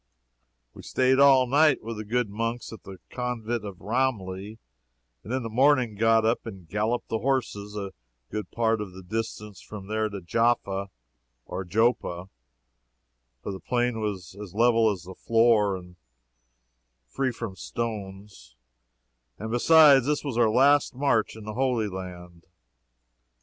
We staid all night with the good monks at the convent of Ramleh, and in the morning got up and galloped the horses a good part of the distance from there to Jaffa, or Joppa, for the plain was as level as a floor and free from stones, and besides this was our last march in Holy Land.